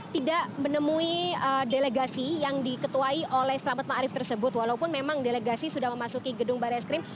tidak menemui delegasi yang diketuai oleh selamat ma'arif tersebut walaupun memang delegasi sudah memasuki gedung barreskrim